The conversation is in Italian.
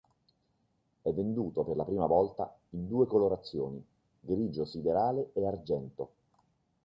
È venduto, per la prima volta, in due colorazioni: grigio siderale e argento.